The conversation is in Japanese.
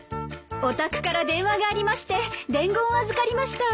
お宅から電話がありまして伝言を預かりました。